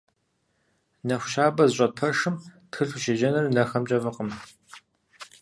Нэху щабэ зыщӏэт пэшым тхылъ ущеджэныр нэхэмкӏэ фӏыкъым.